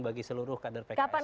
bagi seluruh kader pks